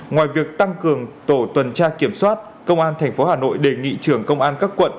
ngoài việc tăng cường tổ tuần tra kiểm soát công an tp hà nội đề nghị trưởng công an các quận